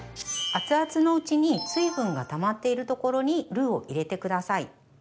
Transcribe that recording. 熱々のうちに水分がたまっているところにルーを入れてください。